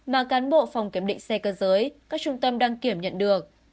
mà cán bộ phòng kiểm định xe cơ giới các trung tâm đăng kiểm nhận được